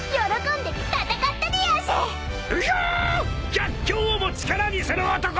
逆境をも力にする男］